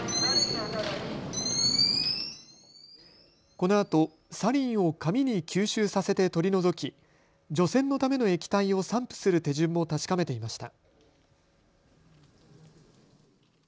このあとサリンを紙に吸収させて取り除き、除染のための液体を散布する手順も確かめていました。